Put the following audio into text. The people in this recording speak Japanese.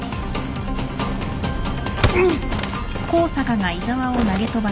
うっ。